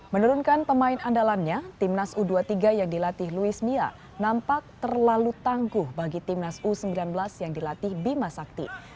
menurunkan pemain andalannya timnas u dua puluh tiga yang dilatih luis mia nampak terlalu tangguh bagi timnas u sembilan belas yang dilatih bima sakti